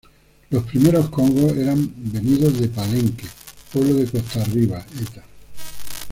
Los primeros Congos eran venidos de Palenque, pueblo de Costa Arriba, eta.